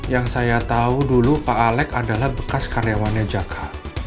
yang saya tahu dulu pak alex adalah bekas karyawannya jaka